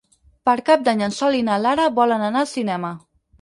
Per Cap d'Any en Sol i na Lara volen anar al cinema.